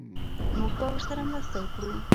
موږ به ورسره مرسته وکړو